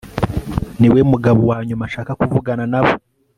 Niwe mugabo wanyuma nshaka kuvugana nabo